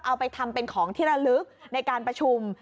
เอาไปทำเป็นของที่ระลึกในการประชุม